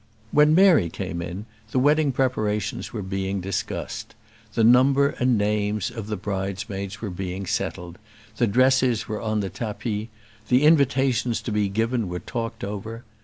When Mary came in, the wedding preparations were being discussed. The number and names of the bridesmaids were being settled, the dresses were on the tapis, the invitations to be given were talked over.